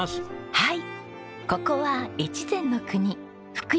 はい。